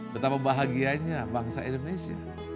betapa bahagianya bangsa indonesia